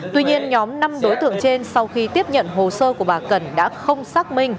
tuy nhiên nhóm năm đối tượng trên sau khi tiếp nhận hồ sơ của bà cẩn đã không xác minh